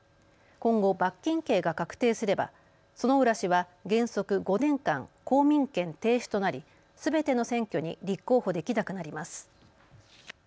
今後、罰金刑が確定すれば薗浦氏は原則５年間、公民権停止となり、すべての選挙に立候補できなくなります。